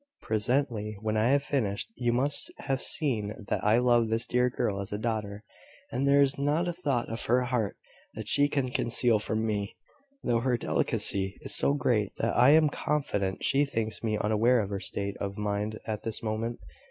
"Presently; when I have finished. You must have seen that I love this dear girl as a daughter; and there is not a thought of her heart that she can conceal from me, though her delicacy is so great that I am confident she thinks me unaware of her state of mind at this moment.